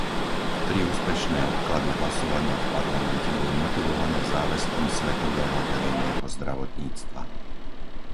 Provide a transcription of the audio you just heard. Tri úspešné odklady hlasovania v Parlamente boli motivované záväzkom svetového verejného zdravotníctva.